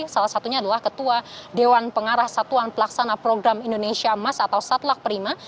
salah satunya adalah ketua dewan pengarah satuan pelaksana program indonesia emas atau satlak prima